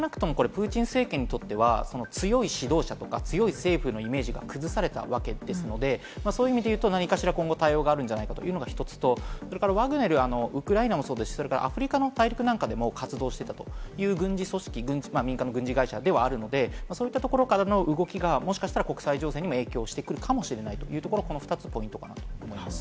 専門家もなぜ、これを起こしたのか、今後どうなるか、あまりわかっていないというところもあるんですが、少なくともプーチン政権にとっては強い指導者、強い政府のイメージが崩されたわけですので、そういう意味で言うと何かしら今後対応があるんじゃないかというのが１つと、ワグネル、ウクライナもそうですし、アフリカの大陸でも活動していた軍事組織、民間軍事会社ではあるので、そういったところからの動きがもしかしたら国際情勢にも影響してくるかもしれないというところ、２つがポイントだと思います。